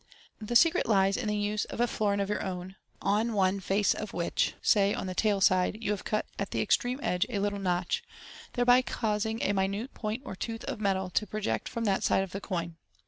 The secret lies in the use of a florin of your own, on one face of which (say on the " tail M side) you have cut at the extreme edge a little notch, thereby causing a minute point or tooth of metal to pro ject from that side of the coin.